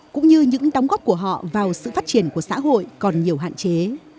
cũng như những đóng góp của họ vào sự phát triển của xã hội còn nhiều hạn chế